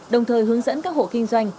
đồng thời hướng dẫn các hộ kinh doanh